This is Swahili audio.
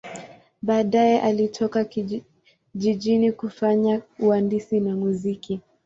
Baadaye alitoka jijini kufanya uandishi na muziki.